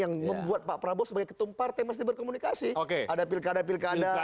yang membuat pak prabowo sebagai ketumpar teman berkomunikasi oke ada pilkada pilkada